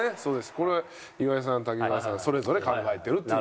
これは岩井さん滝沢さんそれぞれ考えてるっていう。